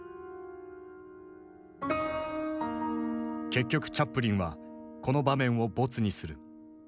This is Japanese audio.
結局チャップリンはこの場面を没にする。